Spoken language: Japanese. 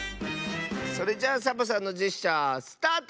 それじゃあサボさんのジェスチャースタート！